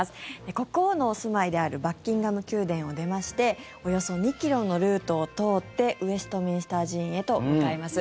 国王のお住まいであるバッキンガム宮殿を出ましておよそ２ｋｍのルートを通ってウェストミンスター寺院へと向かいます。